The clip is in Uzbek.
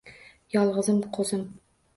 Yolg’izim, qo’zim.